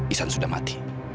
isan sudah mati